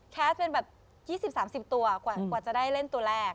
แคสเป็นแบบ๒๐๓๐ตัวกว่าจะได้เล่นตัวแรก